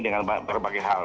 dengan berbagai hal